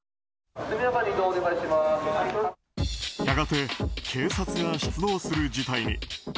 やがて警察が出動する事態に。